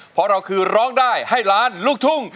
เพราะเราคือร้องได้ให้ล้านลูกทุ่ง